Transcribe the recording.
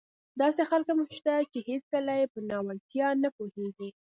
داسې خلک هم شته چې هېڅکله يې په ناولتیا نه پوهېږي.